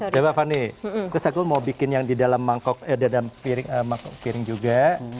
coba fani terus aku mau bikin yang di dalam piring juga